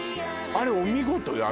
あれお見事よ